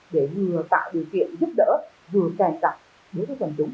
để vừa tạo điều kiện giúp đỡ vừa cài cặn với những quần chúng